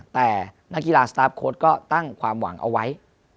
แต่นักกีฬาสตาร์ฟโค้ดก็ตั้งความหวังเอาไว้